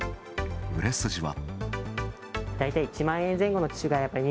売れ筋は。